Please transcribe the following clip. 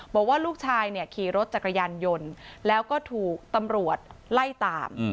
บอกว่าลูกชายเนี่ยขี่รถจักรยานยนต์แล้วก็ถูกตำรวจไล่ตาม